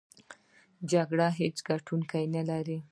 جګړه هېڅ ګټوونکی نلري!